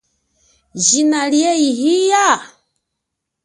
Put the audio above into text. Jina lie iya?